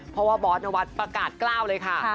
เพราะว่าบอสนวัฒน์ประกาศกล้าวเลยค่ะ